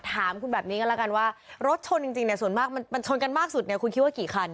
ถามคุณแบบนี้ก็แล้วกันว่ารถชนจริงเนี่ยส่วนมากมันชนกันมากสุดเนี่ยคุณคิดว่ากี่คัน